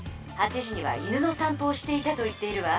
８時には犬のさん歩をしていたと言っているわ。